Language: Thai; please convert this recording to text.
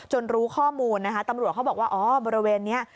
จนรู้ข้อมูลตำรวจเขาบอกว่าบริเวณนี้